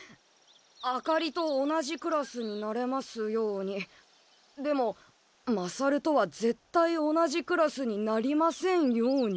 「あかりと同じクラスになれますようにでも勝とはぜったい同じクラスになりませんように」！？